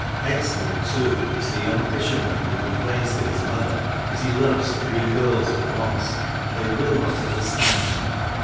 Excellent, too, is the young fisherman who complains to his mother that he loves three girls at once, and they will not understand